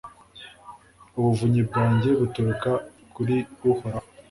Ubuvunyi bwanjye buturuka kuri Uhoraho